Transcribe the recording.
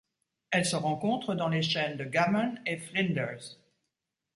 Elle se rencontre dans les chaînes de Gammon et Flinders.